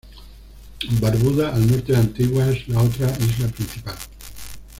Barbuda, al norte de Antigua, es la otra isla principal.